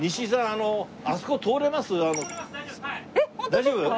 大丈夫？